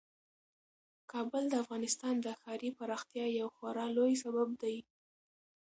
کابل د افغانستان د ښاري پراختیا یو خورا لوی سبب دی.